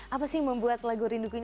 apa sih yang membuat lagu rindu ini